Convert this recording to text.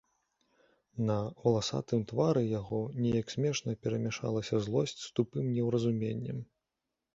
На валасатым твары яго неяк смешна перамяшалася злосць з тупым неўразуменнем.